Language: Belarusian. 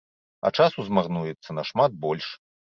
А часу змарнуецца нашмат больш.